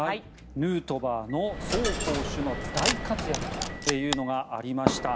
ヌートバーの走攻守の大活躍というのがありました。